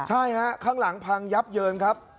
ใช่ฮะข้างหลังพังยับเยินครับ